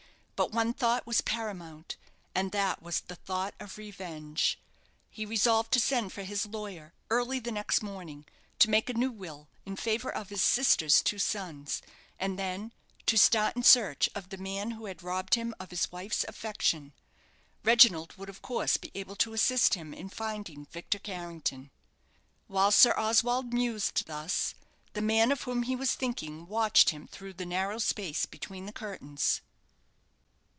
But one thought was paramount and that was the thought of revenge. He resolved to send for his lawyer early the next morning, to make a new will in favour of his sister's two sons, and then to start in search of the man who had robbed him of his wife's affection. Reginald would, of course, be able to assist him in finding Victor Carrington. While Sir Oswald mused thus, the man of whom he was thinking watched him through the narrow space between the curtains.